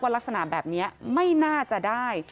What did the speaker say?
ลักษณะแบบนี้ไม่น่าจะได้